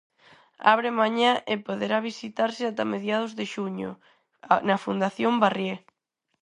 Abre mañá e poderá visitarse ata mediados de xuño, na Fundación Barrié.